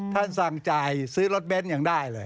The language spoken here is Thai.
ท่านสั่งจ่ายซื้อรถเบ้นยังได้เลย